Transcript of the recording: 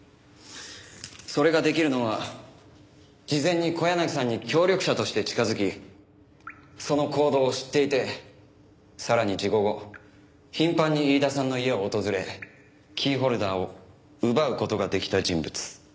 それができるのは事前に小柳さんに協力者として近づきその行動を知っていてさらに事故後頻繁に飯田さんの家を訪れキーホルダーを奪う事ができた人物。